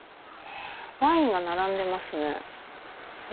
ワインが並んでますね。